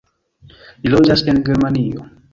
Li loĝas en Germanio.